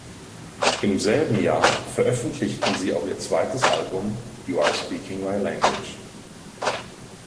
Im selben Jahr veröffentlichten sie auch ihr zweites Album "You’re Speaking my Language".